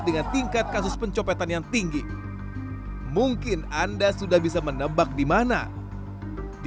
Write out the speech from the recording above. dengan tingkat kasus pencopetan yang tinggi mungkin anda sudah bisa menebak dimana di